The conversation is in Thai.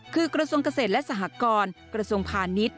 คือกระทรวงเกษตรและสหกรกระทรวงพาณิชย์